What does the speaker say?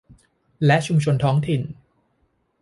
และชุมชนท้องถิ่น